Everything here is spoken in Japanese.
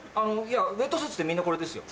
ウエットスーツってみんなこれですよ。